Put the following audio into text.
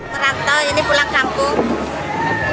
merantau ini pulang kampung